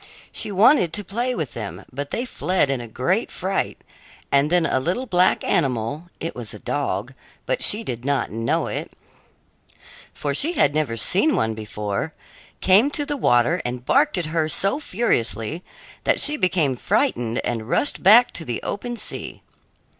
She wanted to play with them, but they fled in a great fright; and then a little black animal it was a dog, but she did not know it, for she had never seen one before came to the water and barked at her so furiously that she became frightened and rushed back to the open sea.